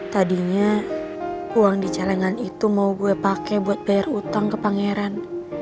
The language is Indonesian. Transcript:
tadinya uang di celengan itu mau gue pakai buat bayar utang ke pangeran